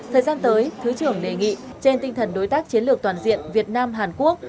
thời gian tới thứ trưởng đề nghị trên tinh thần đối tác chiến lược toàn diện việt nam hàn quốc